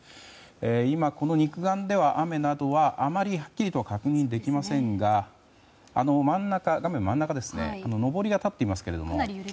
今、肉眼では雨などはあまりはっきりとは確認できませんが画面真ん中のぼりが立っていますけれども。